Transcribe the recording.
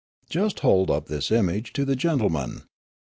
Just hold up this image to the gentlemen.